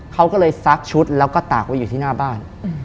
เขาก็เลยซักชุดแล้วก็ตากไว้อยู่ที่หน้าบ้าน